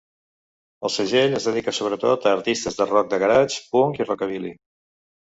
El segell es dedica sobretot a artistes de rock de garage, punk i rockabilly.